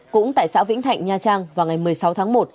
cũng tại xã vĩnh thạnh nha trang vào ngày một mươi sáu tháng một